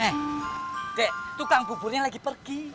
eh tukang buburnya lagi pergi